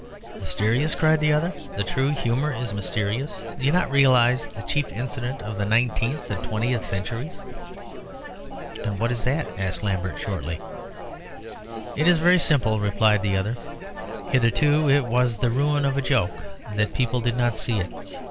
"Mysterious!" cried the other. "The true humour is mysterious. Do you not realise the chief incident of the nineteenth and twentieth centuries?" "And what's that?" asked Lambert, shortly. "It is very simple," replied the other. "Hitherto it was the ruin of a joke that people did not see it.